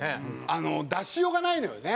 あの出しようがないのよね